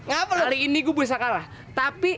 kali ini gue bisa kalah tapi